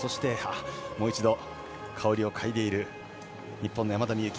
もう一度、花の香りをかいでいる日本の山田美幸。